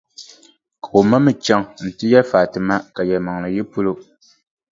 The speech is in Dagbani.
Ka o ma mi chaŋ nti yɛli Fati ma ka yɛlimaŋli yi polo.